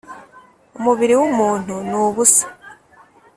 Umubiri w’umuntu ni ubusa,